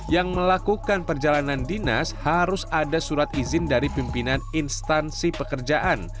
yang melakukan perjalanan dinas harus ada surat izin dari pimpinan instansi pekerjaan